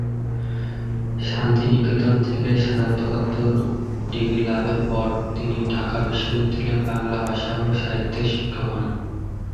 শান্তিনিকেতন থেকে স্নাতকোত্তর ডিগ্রি লাভের পর তিনি ঢাকা বিশ্ববিদ্যালয়ের বাংলা ভাষা ও সাহিত্যের শিক্ষক হন।